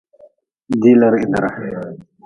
Diilrihdre.